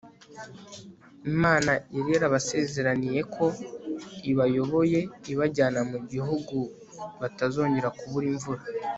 Imana yari yarabasezeraniye ko ibayoboye ibajyana mu gihugu batazongera kubura imvura